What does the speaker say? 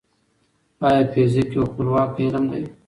ايا فزيک يو خپلواک علم دی؟